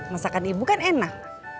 masakan ibu kan enak